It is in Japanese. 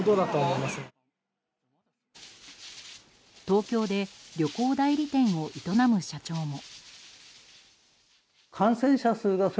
東京で旅行代理店を営む社長も。